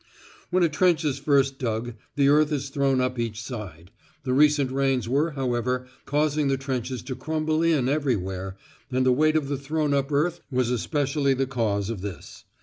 When a trench is first dug, the earth is thrown up each side; the recent rains were, however, causing the trenches to crumble in everywhere, and the weight of the thrown up earth was especially the cause of this.